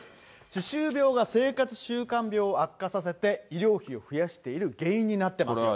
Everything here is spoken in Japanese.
歯周病が生活習慣病を悪化させて、医療費を増やしている原因になってますよ。